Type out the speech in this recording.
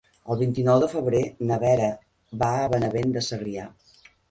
El vint-i-nou de febrer na Vera va a Benavent de Segrià.